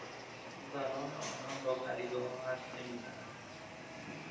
زنان آنان با غریبهها حرف نمیزنند.